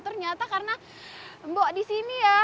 ternyata karena mbok di sini ya